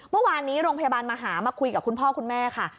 เมื่อวานนี้โรงพยาบาลมหามาคุยกับคุณพ่อคุณแม่ค่ะ